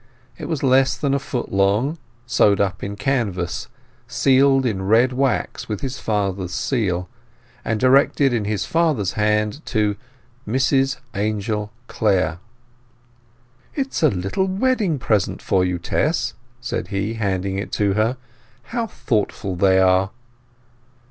It was less than a foot long, sewed up in canvas, sealed in red wax with his father's seal, and directed in his father's hand to "Mrs Angel Clare." "It is a little wedding present for you, Tess," said he, handing it to her. "How thoughtful they are!"